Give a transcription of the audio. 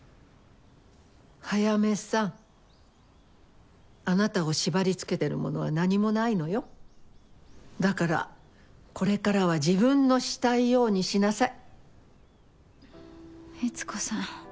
早梅さんあなたを縛りつけてるものは何もないのよだからこれからは自分のしたいようにしなさい悦子さん